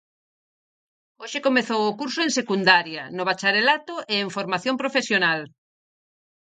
Hoxe comezou o curso en Secundaria, no Bacharelato e en Formación Profesional.